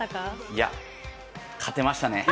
いや、勝てましたね。